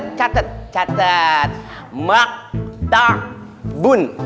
tolong paradis di spesifikasiaperangkul